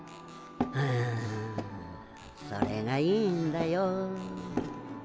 フフそれがいいんだよ。